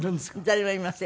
誰もいません。